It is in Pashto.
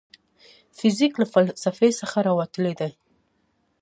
فزیک له فلسفې څخه راوتلی دی.